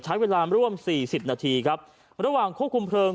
ใช้เวลาร่วมสี่สิบนาทีครับระหว่างควบคุมเพลิง